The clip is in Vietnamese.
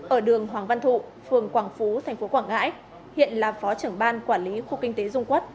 ở đường hoàng văn thụ phường quảng phú tp quảng ngãi hiện là phó trưởng ban quản lý khu kinh tế dung quốc